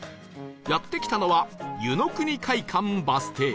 やって来たのは湯の国会館バス停